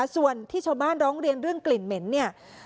ส่วนที่ชาวบ้านร้องเรียนเรื่องกลิ่นเหม็นเนี่ย